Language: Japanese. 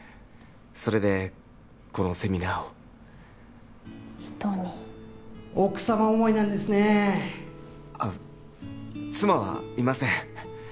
それでこのセミナーを人に奥様思いなんですねあっ妻はいません